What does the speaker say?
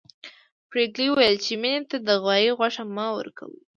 پريګلې ويل چې مينې ته د غوايي غوښه مه ورکوئ